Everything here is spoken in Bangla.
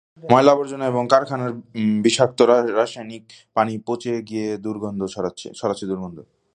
ময়লা, আবর্জনা এবং কলকারখানার বিষাক্ত রাসায়নিকে পানি পচে গিয়ে ছড়াচ্ছে দুর্গন্ধ।